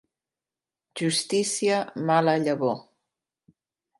Justícia, mala llavor.